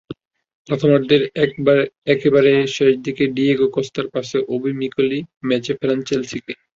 প্রথমার্ধের একেবারে শেষ দিকে ডিয়েগো কস্তার পাসে ওবি মিকেলই ম্যাচে ফেরান চেলসিকে।